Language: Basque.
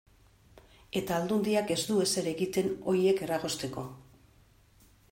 Eta Aldundiak ez du ezer egiten horiek eragozteko.